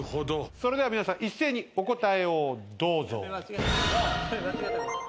それでは皆さん一斉にお答えをどうぞ。